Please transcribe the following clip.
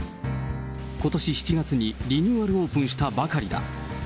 ことし７月にリニューアルオープンしたばかりだ。